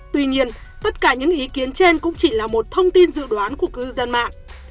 tuy nhiên tất cả những ý kiến trên cũng chỉ là một thông tin dự đoán của cư dân mạng